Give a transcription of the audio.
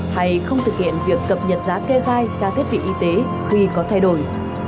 hay không thực hiện việc cập nhật giá kê khai trang thiết bị y tế khi có thay đổi